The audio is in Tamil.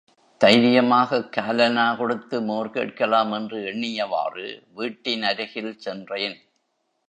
தைரியமாகக் காலனா கொடுத்து மோர் கேட்கலாம் என்று எண்ணியவாறு, வீட்டினருகில் சென்றேன்.